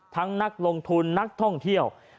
นักลงทุนนักท่องเที่ยว